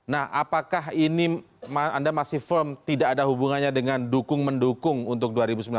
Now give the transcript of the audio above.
nah apakah ini anda masih firm tidak ada hubungannya dengan dukung mendukung untuk dua ribu sembilan belas